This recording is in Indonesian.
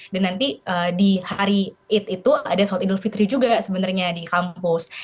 dan nanti di hari itu ada solat idul fitri juga sebenarnya di kampus